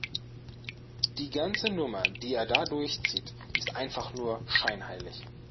Die ganze Nummer, die er da durchzieht, ist einfach nur scheinheilig.